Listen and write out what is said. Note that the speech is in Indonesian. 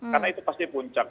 karena itu pasti puncak